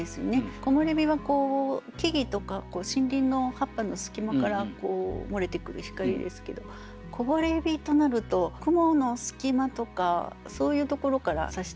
「木漏れ日」は木々とか森林の葉っぱのすき間から漏れてくる光ですけど「こぼれ日」となると雲のすき間とかそういうところから射してくる。